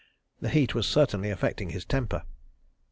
The heat was certainly affecting his temper.